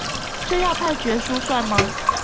這樣判決書算嗎？